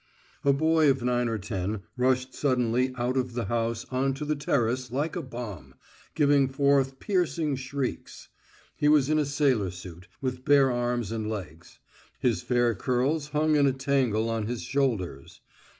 A boy of nine or ten rushed suddenly out of the house on to the terrace like a bomb, giving forth piercing shrieks. He was in a sailor suit, with bare arms and legs. His fair curls hung in a tangle on his shoulders.